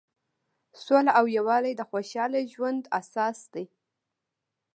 سوله او یووالی د خوشحاله ژوند اساس دی.